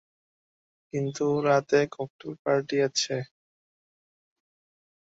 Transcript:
কিন্তু রাতে cocktail party আছে।